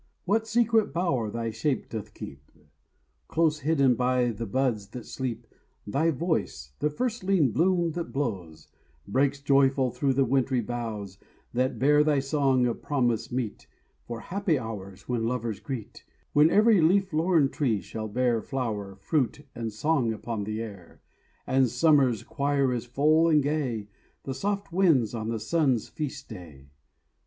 What secret bower thy shape doth keep? Close hidden by the buds that sleep; Thy voice—the firstling bloom that blows— Breaks joyful through the wintry boughs, That bear thy song of promise, meet For happy hours when lovers greet, When every leaf lorn tree shall bear Flower, fruit, and song upon the air, And summer's choir is full, and gay The soft winds on the sun's feast day.